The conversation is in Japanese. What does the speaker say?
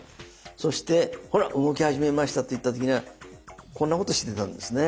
そして「ほら動き始めました！」って言った時にはこんなことしてたんですね。